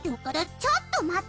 ちょっと待って！